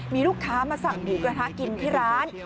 มีลูกค้ามาสั่งหมูกระทะกินที่ร้าน